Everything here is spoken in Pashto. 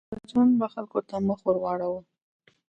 اکبرجان به خلکو ته مخ ور واړاوه.